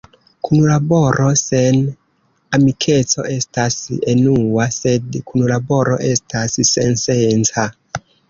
Kunlaboro sen amikeco estas enua, sed kunlaboro estas sensenca.